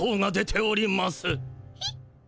えっ？